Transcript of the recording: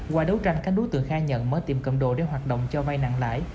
qua đấu tranh các đối tượng khai nhận mở tiệm cầm đồ để hoạt động cho vai nặng lãi